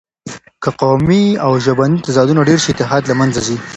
که قومي او ژبني تضادونه ډېر شي، اتحاد له منځه ځي.